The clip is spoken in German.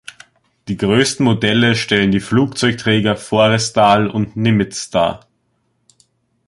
Die größten Modelle stellen die Flugzeugträger "Forrestal" und "Nimitz" dar.